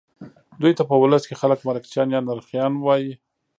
دوی ته په ولس کې خلک مرکچیان یا نرخیان وایي.